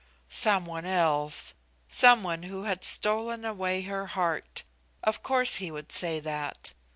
Some one else! Some one who had stolen away her heart; of course he would say that.